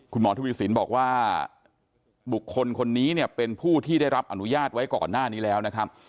คุณหมอทวีสินบอกว่าบุคคลคนนี้เนี่ยเป็นผู้ที่ได้รับอนุญาตไว้ก่อนหน้านี้แล้วนะครับ